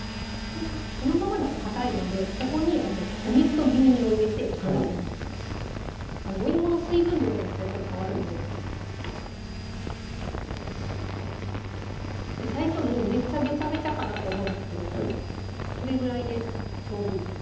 このままだとかたいのでここにお水と牛乳を入れて延ばしますおいもの水分量によってやっぱり変わるんで最初もうめっちゃベチャベチャかなと思うんですけどそれぐらいでちょうどいいです